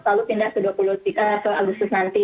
kita itu sebenarnya dari empat april lalu pindah ke agustus nanti